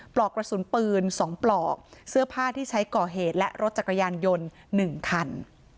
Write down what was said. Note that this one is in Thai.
ปลอกกระสุนปืน๒ปลอกเสื้อผ้าที่ใช้ก่อเหตุและรถจักรยานยนต์๑คัน